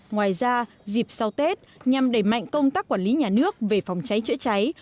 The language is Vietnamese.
ngoài ra dịp sau tết nhằm đẩy mạnh công tác quản lý nhà nước về phòng cháy chữa cháy